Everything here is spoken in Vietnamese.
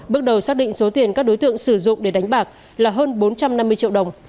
bước đầu xác định số tiền các đối tượng sử dụng để đánh bạc là hơn bốn trăm năm mươi triệu đồng